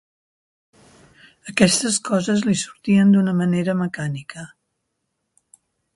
Aquestes coses li sortien d'una manera mecànica.